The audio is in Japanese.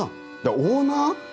オーナー？